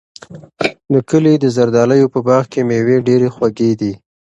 د کلي د زردالیو په باغ کې مېوې ډېرې خوږې دي.